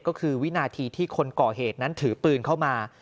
ก็คือวินาทีที่คนก่อเหตุนั้นถือปืนเข้ามา